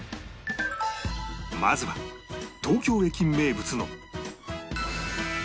まずは東京駅名物の